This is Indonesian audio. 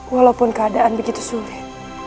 walaupun keadaan begitu sulit